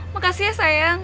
makasih ya sayang